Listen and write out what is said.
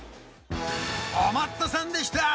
おまっとさんでした